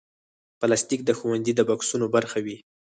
پلاستيک د ښوونځي د بکسونو برخه وي.